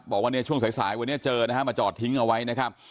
บอกว่าเนี่ยช่วงสายวันนี้เจอนะฮะมาจอดทิ้งเอาไว้นะครับ